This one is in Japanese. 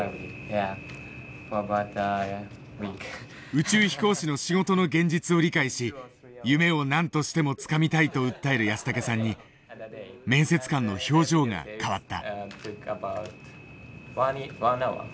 宇宙飛行士の仕事の現実を理解し夢を何としてもつかみたいと訴える安竹さんに面接官の表情が変わった。